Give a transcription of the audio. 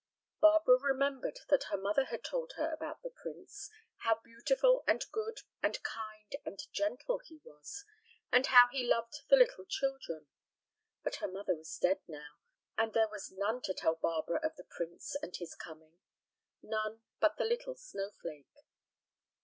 Barbara remembered that her mother had told her about the prince, how beautiful and good and kind and gentle he was, and how he loved the little children; but her mother was dead now, and there was none to tell Barbara of the prince and his coming, none but the little snowflake.